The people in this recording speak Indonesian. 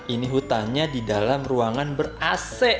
ini hutannya di dalam ruangan ber ac